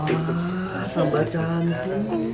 wah tambah cantik